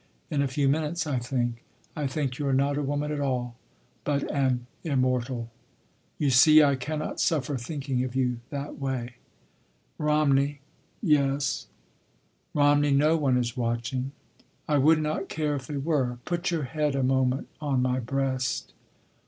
In a few minutes.... I think—I think you are not a woman at all—but an immortal! You see I cannot suffer thinking of you that way—" "Romney—" "Yes—" "Romney—no one is watching. I would not care if they were—put your head a moment on my breast....